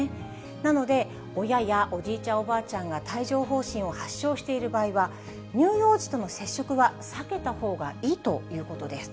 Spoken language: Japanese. なので、親やおじいちゃん、おばあちゃんが帯状ほう疹を発症している場合は、乳幼児との接触は避けたほうがいいということです。